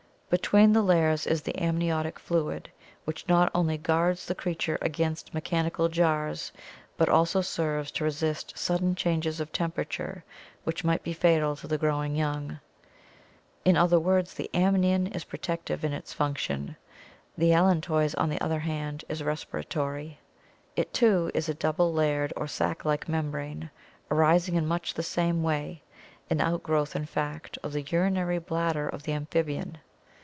. Be tween the layers is the amniotic fluid which not only guards the creature against mechanical jars but also serves to resist sudden changes of temperature which might be fatal to the growing young. In other words, the amnion is protective in its function. The allantois, on the other hand, is respiratory. It too is a double layered or sac like membrane arising in much the same way, an outgrowth in fact of the urinary bladder of the amphibian.